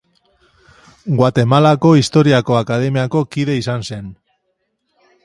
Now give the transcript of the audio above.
Guatemalako Historiako Akademiako kide izan zen.